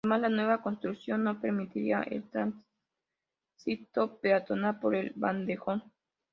Además, la nueva construcción no permitiría el tránsito peatonal por el bandejón.